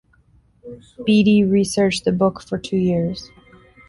Beattie researched the book for two years.